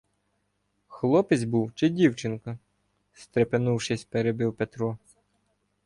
— Хлопець був чи дівчинка? — стрепенувшись, перебив Петро.